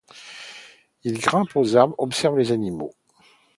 Il grimpe aux arbres, observe les animaux.